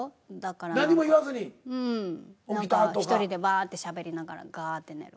何か１人でバ―ッてしゃべりながらガーッて寝る感じ。